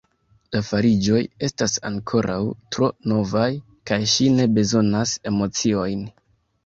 La fariĝoj estas ankoraŭ tro novaj; kaj ŝi ne bezonas emociojn.